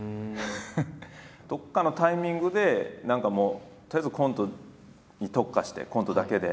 どっかのタイミングで何かもうとりあえずコントに特化してコントだけで。